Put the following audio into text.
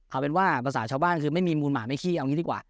เอาเป็นว่าภาษาชาวบ้านคือไม่มีมูลหมาไม่ขี้เอางี้ดีกว่า